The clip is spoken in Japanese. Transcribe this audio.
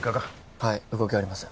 はい動きありません